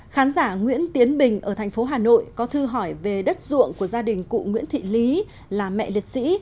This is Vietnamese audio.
khán giả nguyễn tiến bình ở thành phố hà nội có thư hỏi về đất ruộng của gia đình cụ nguyễn thị lý là mẹ liệt sĩ